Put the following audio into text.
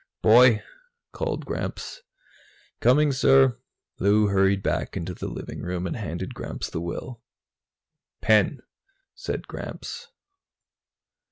"Boy!" called Gramps. "Coming, sir." Lou hurried back into the living room and handed Gramps the will. "Pen!" said Gramps.